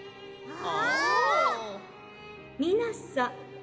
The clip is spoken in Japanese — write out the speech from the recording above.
あ！